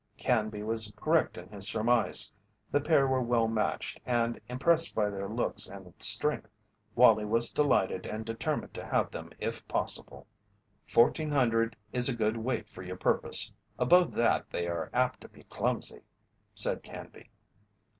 Canby was correct in his surmise. The pair were well matched and, impressed by their looks and strength, Wallie was delighted and determined to have them if possible. "Fourteen hundred is a good weight for your purpose above that they are apt to be clumsy," said Canby.